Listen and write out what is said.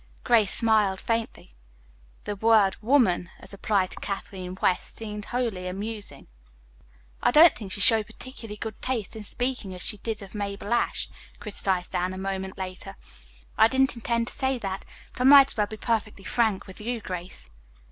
Grace smiled faintly. The word "woman," as applied to Kathleen West, seemed wholly amusing. "I don't think she showed particularly good taste in speaking as she did of Mabel Ashe," criticized Anne, a moment later. "I didn't intend to say that, but I might as well be perfectly frank with you, Grace."